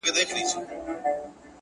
چي بد غواړې، پر بدو به واوړې.